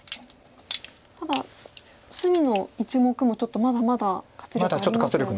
ただ隅の１目もちょっとまだまだ活力ありますよね。